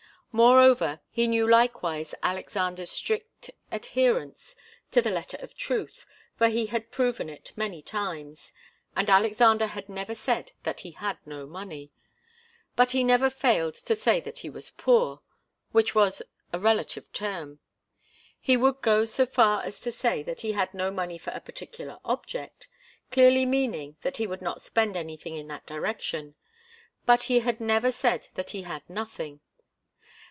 Moreover, he knew likewise Alexander's strict adherence to the letter of truth, for he had proved it many times, and Alexander had never said that he had no money. But he never failed to say that he was poor which was a relative term. He would go so far as to say that he had no money for a particular object, clearly meaning that he would not spend anything in that direction, but he had never said that he had nothing.